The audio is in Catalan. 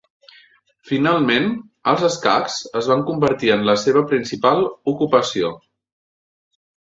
Finalment, els escacs es van convertir en la seva principal ocupació.